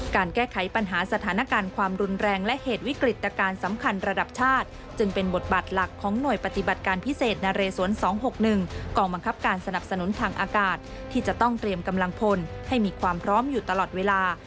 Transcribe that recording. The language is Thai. การแก้ไขปัญหาสถานการณ์ความรุนแรงและเหตุวิกฤตการณ์สำคัญระดับชาติจึงเป็นบทบาทหลักของหน่วยปฏิบัติการพิเศษนเรสวน๒๖๑กองบังคับการสนับสนุนทางอากาศที่จะต้องเตรียมกำลังพลให้มีความพร้อมอยู่ตลอดเวลา